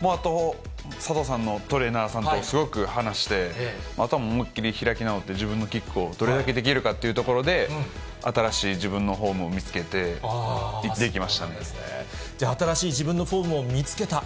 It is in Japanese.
あと、さとうさんの、トレーナーさんとすごく話して、あとは思いっ切り開き直って、自分のキックをどれだけできるかということで、新しい自分のフォ新しい自分のフォームを見つけた。